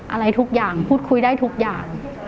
อะไรทุกอย่างพูดคุยได้ทุกอย่าง